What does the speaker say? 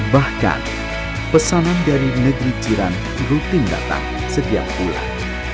bahkan pesanan dari negeri jiran rutin datang setiap bulan